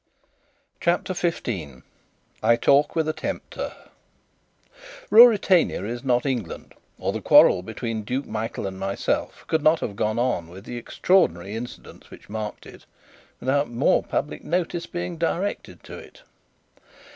CHAPTER 15 I Talk with a Tempter Ruritania is not England, or the quarrel between Duke Michael and myself could not have gone on, with the extraordinary incidents which marked it, without more public notice being directed to it.